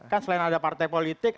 kan selain ada partai politik